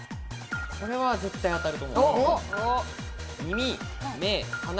これは絶対当たると思う。